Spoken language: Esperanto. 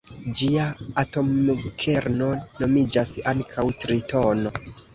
Ĝia atomkerno nomiĝas ankaŭ tritono.